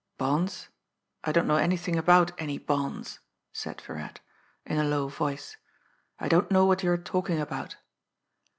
"Bonds! I don't know anything about any bonds," said Virat, in a low voice. "I don't know what you are talking about.'